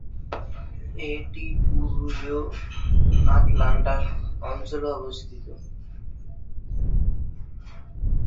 এটি পূর্ব আটলান্টা অঞ্চলে অবস্থিত।